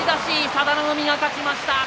佐田の海が勝ちました。